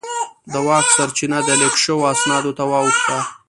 د واک سرچینه د لیک شوو اسنادو ته واوښته.